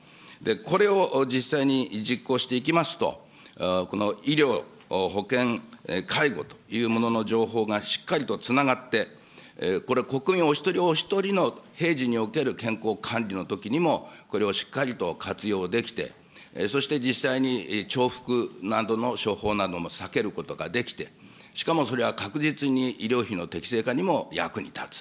これを実際に実行していきますと、この医療、保健、介護というものの情報がしっかりとつながって、これ、国民お一人お一人の平時における健康管理のときにも、これをしっかりと活用できて、そして実際に重複などの処方なども避けることができて、しかもそれは確実に医療費の適正化にも役に立つ。